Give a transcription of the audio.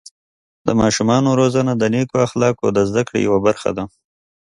د ماشومانو روزنه د نیکو اخلاقو د زده کړې یوه برخه ده.